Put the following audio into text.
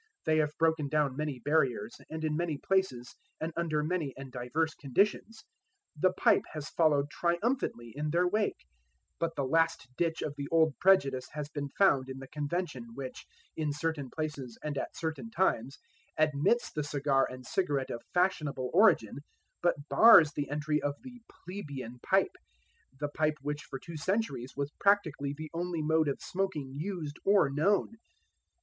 They have broken down many barriers, and in many places, and under many and divers conditions, the pipe has followed triumphantly in their wake; but the last ditch of the old prejudice has been found in the convention, which, in certain places and at certain times, admits the cigar and cigarette of fashionable origin, but bars the entry of the plebeian pipe the pipe which for two centuries was practically the only mode of smoking used or known.